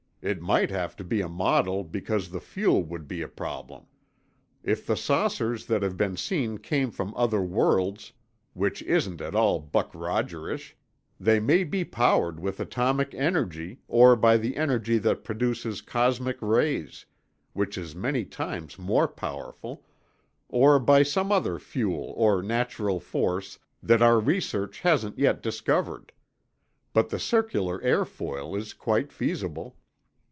It might have to be a model because the fuel would be a problem. If the saucers that have been seen came from other worlds, which isn't at all Buck Rogerish, they may be powered with atomic energy or by the energy that produces cosmic rays—which is many times more powerful—or by some other fuel or natural force that our research hasn't yet discovered. But the circular airfoil is quite feasible.